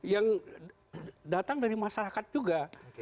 yang datang dari masyarakat juga